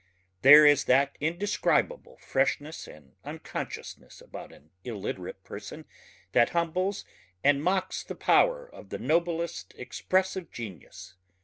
There is that indescribable freshness and unconsciousness about an illiterate person that humbles and mocks the power of the noblest expressive genius.